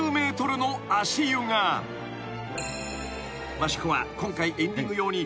［益子は今回エンディング用に］